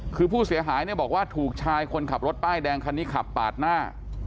คือผู้เสียหายเนี่ยบอกว่าถูกชายคนขับรถป้ายแดงคันนี้ขับปาดหน้า